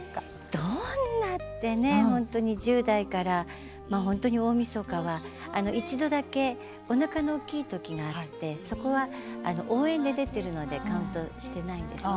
どんなって１０代から本当に、大みそかは一度だけおなかの大きい時があってそこは応援で出ているのでカウントしていないんですね。